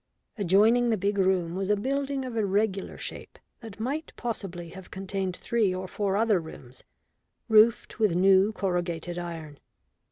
Adjoining the big room was a building of irregular shape that might possibly have contained three or four other rooms, roofed with new corrugated iron.